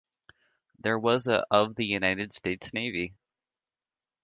The was a of the United States Navy.